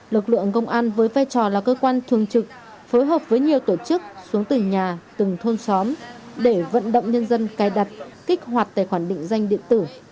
lực lượng công an với vai trò là cơ quan thường trực phối hợp với nhiều tổ chức xuống từng nhà từng thôn xóm để vận động nhân dân cài đặt kích hoạt tài khoản định danh điện tử